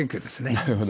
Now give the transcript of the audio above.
なるほど。